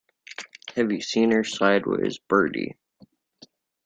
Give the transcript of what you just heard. Have you seen her sideways, Bertie?